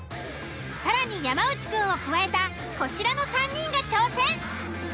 更に山内くんを加えたこちらの３人が挑戦。